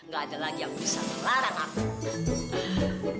gak ada lagi yang bisa melarang aku